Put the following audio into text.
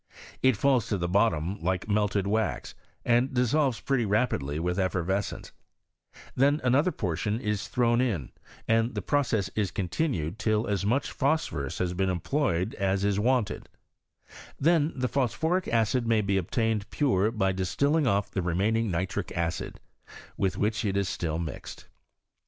It falls to the bottom like melted wax, and dissolves pretty rapidly with effervescence : then another portion is thrown in, and the process is continued till as much phosphorus has been employed as is wanted ; then the phosphoric acid may be obtained pure by dis tilling off the remaining nitric acid with which it is ftill mixed.